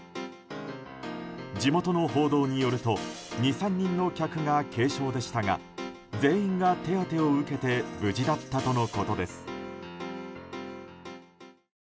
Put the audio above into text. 地元の報道によると２３人の客が軽傷でしたが全員が手当てを受けて無事だったとのことです。